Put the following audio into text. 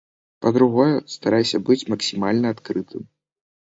Па-другое, старайся быць максімальна адкрытым.